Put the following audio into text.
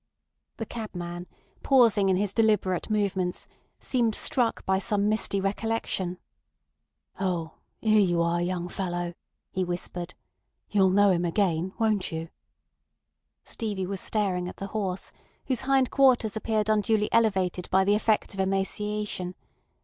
The cabman, pausing in his deliberate movements, seemed struck by some misty recollection. "Oh! 'Ere you are, young fellow," he whispered. "You'll know him again—won't you?" Stevie was staring at the horse, whose hind quarters appeared unduly elevated by the effect of emaciation.